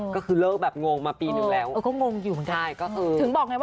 ก็คือเริ่มงงมาปีนึงแล้ว